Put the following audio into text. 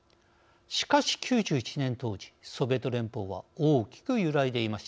しかし９１年当時ソビエト連邦は大きく揺らいでいました。